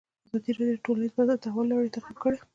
ازادي راډیو د ټولنیز بدلون د تحول لړۍ تعقیب کړې.